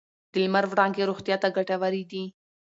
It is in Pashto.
د لمر وړانګې روغتیا ته ګټورې دي.